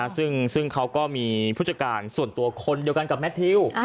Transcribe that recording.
ซึ่งเขาก็มีผู้จัดการส่วนตัวคนเดียวกันกับแมททิว